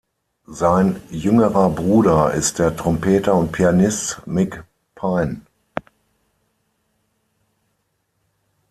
Sein jüngerer Bruder ist der Trompeter und Pianist Mick Pyne.